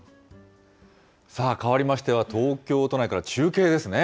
さあ、かわりましては東京都内から中継ですね。